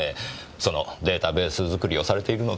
そのデータベース作りをされているのでしょう。